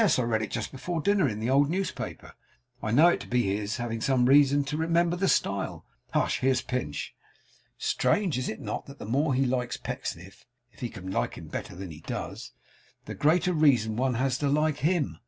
I read it just before dinner in the old newspaper. I know it to be his; having some reason to remember the style. Hush! Here's Pinch. Strange, is it not, that the more he likes Pecksniff (if he can like him better than he does), the greater reason one has to like HIM?